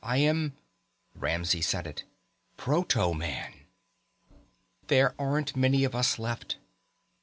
I am " Ramsey said it. "Proto man!" "There aren't many of us left.